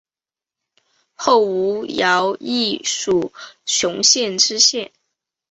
后吴兆毅署雄县知县。